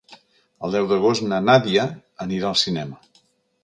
El deu d'agost na Nàdia anirà al cinema.